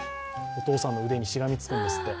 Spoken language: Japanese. お父さんの腕にしがみつくんですって。